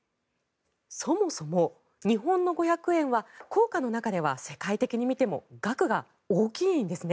そもそも、日本の五百円は硬貨の中では世界的に見ても額が大きいんですね。